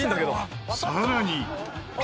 さらに。